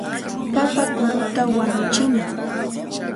Papa kurutaqa wañuchinam.